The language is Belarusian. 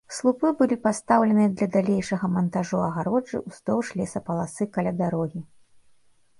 Слупы былі пастаўленыя для далейшага мантажу агароджы ўздоўж лесапаласы каля дарогі.